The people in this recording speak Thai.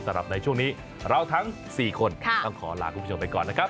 สำหรับในช่วงนี้เราทั้ง๔คนต้องขอลาคุณผู้ชมไปก่อนนะครับ